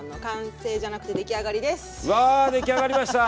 わ出来上がりました。